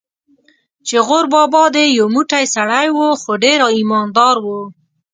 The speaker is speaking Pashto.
چې غور بابا دې یو موټی سړی و، خو ډېر ایمان دار و.